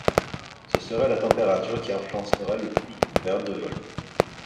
Ce serait la température qui influencerait le plus leur période de vol.